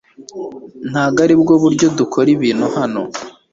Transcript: ntabwo aribwo buryo dukora ibintu hano